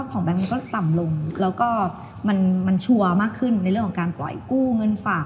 แบงค์มันก็ต่ำลงแล้วก็มันชัวร์มากขึ้นในเรื่องของการปล่อยกู้เงินฝาก